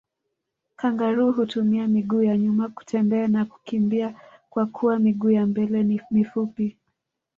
Kangaroo hutumia miguu ya nyuma kutembea na kukimbia kwakuwa miguu ya mbele ni mifupi